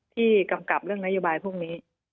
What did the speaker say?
กำกับเรื่องนโยบายพวกนี้